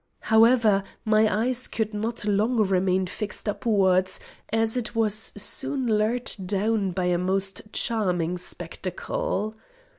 However, my eye could not long remain fixed upwards, as it was soon lured down by a most charming spectacle.